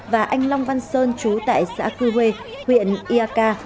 và anh long văn sơn trú tại xã cư huê huyện yaka